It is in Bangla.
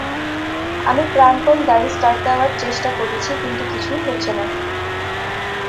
আমি প্রাণপণ গাড়ি স্টার্ট দেয়ার চেষ্টা করছি কিন্তু কিছুই হচ্ছে না।